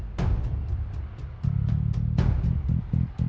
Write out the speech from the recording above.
bumbu ciloknya jangan lupa